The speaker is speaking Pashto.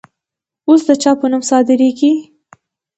اوس د چا په نوم صادریږي؟